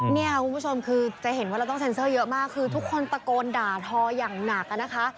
เนี่ยคุณผู้ชมคือจะเห็นว่าเราต้องเซ็นเซอร์เยอะมากคือทุกคนตะโกนด่าทออย่างหนักอะนะคะ